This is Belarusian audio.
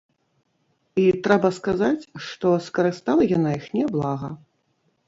І трэба сказаць, што скарыстала яна іх няблага.